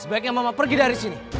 sebaiknya mama pergi dari sini